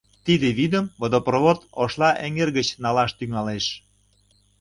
Тиде вӱдым водопровод Ошла эҥер гыч налаш, тӱҥалеш.